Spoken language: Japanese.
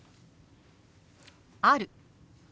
「ある」。